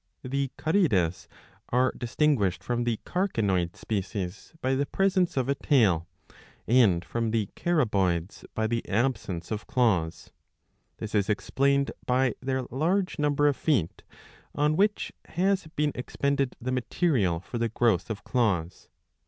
^ The Carides are distinguished from the Carcinoid species by the presence of a tail ; and from the Caraboids by the absence of claws. This is explained by their large number of feet, on which has been expended the material for the growth of claws.